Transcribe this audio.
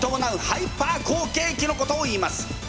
ハイパー好景気のことをいいます。